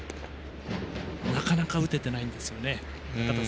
なかなか打ててないんですよね。